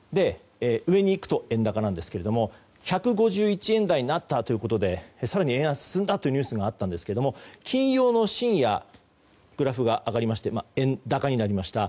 上にいくと円高なんですが１５１円台になったということで更に円安が進んだというニュースがあったんですが金曜の深夜、グラフが上がりまして円高になりました。